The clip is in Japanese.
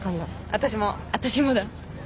私も私もだ